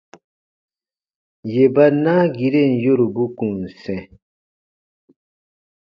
Yè ba naagiren yorubu kùn sɛ̃.